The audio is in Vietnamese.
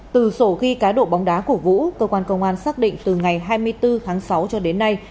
từ sổ ghi cá độ bóng đá của vũ cơ quan công an xác định từ ngày hai mươi bốn tháng sáu cho đến nay